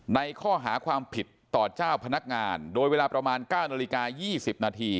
ในข้อหาความผิดต่อเจ้าพนักงานโดยเวลาประมาณ๙นาฬิกา๒๐นาที